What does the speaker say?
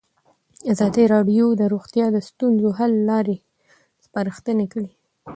ازادي راډیو د روغتیا د ستونزو حل لارې سپارښتنې کړي.